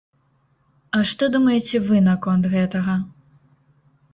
А што думаеце вы наконт гэтага?